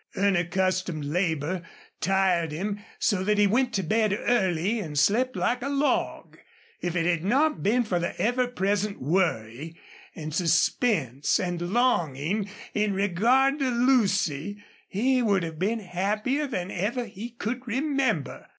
Unaccustomed labor tired him so that he went to bed early and slept like a log. If it had not been for the ever present worry and suspense and longing, in regard to Lucy, he would have been happier than ever he could remember.